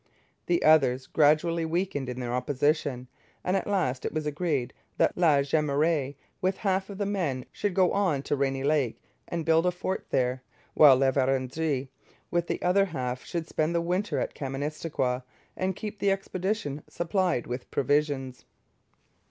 The others gradually weakened in their opposition, and at last it was agreed that La Jemeraye, with half the men, should go on to Rainy Lake and build a fort there, while La Vérendrye, with the other half, should spend the winter at Kaministikwia, and keep the expedition supplied with provisions.